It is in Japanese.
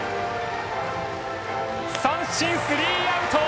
三振、スリーアウト！